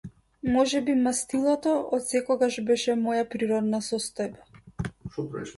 Можеби мастилото отсекогаш беше моја природна состојба.